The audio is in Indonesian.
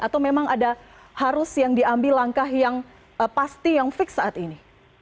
atau memang ada harus yang diambil langkah yang pasti yang fix saat ini